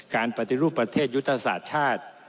การปฏิรูปประเทศยุทธศาสตร์ชาติ